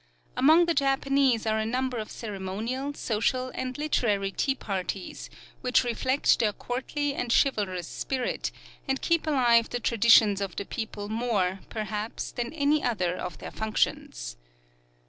Among the Japanese are a number of ceremonial, social, and literary tea parties which reflect their courtly and chivalrous spirit, and keep alive the traditions of the people more, perhaps, than any other of their functions.